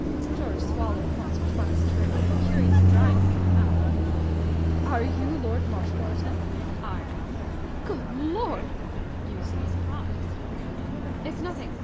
George swallowed once or twice to relieve a curious dryness of the mouth. "Are you Lord Marshmoreton?" "I am." "Good Lord!" "You seem surprised." "It's nothing!"